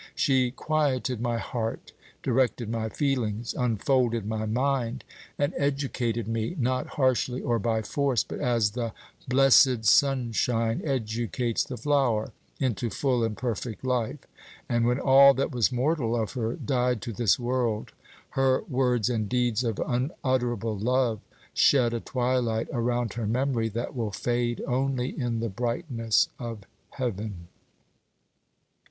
She quieted my heart, directed my feelings, unfolded my mind, and educated me, not harshly or by force, but as the blessed sunshine educates the flower, into full and perfect life; and when all that was mortal of her died to this world, her words and deeds of unutterable love shed a twilight around her memory that will fade only in the brightness of heaven.